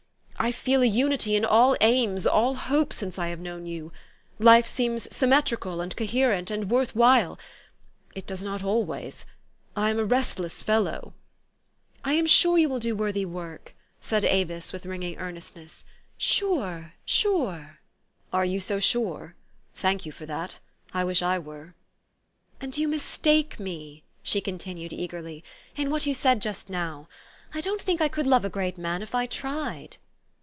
I feel a unity in all aims, all hope, since I have known you ; life seems symmetrical and coherent, and worth while. It does not always. I am a restless fellow." " I am sure you will do worthy work," said Avis with ringing earnestness, " sure, sure !" 128 THE STORY OF AVIS. " Are you so sure? Thank you for that. I wish I were." "And you mistake me," she continued eagerly, " in what you said just now. I don't think I could love a great man, if I tried."